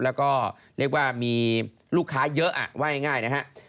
แล้วก็เรียกว่ามีลูกค้าเยอะว่าง่ายนะฮะ